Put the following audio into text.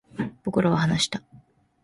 僕らは話した